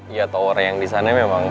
iya tau orang yang disana memang